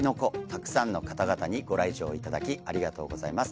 たくさんの方々にご来場いただきありがとうございます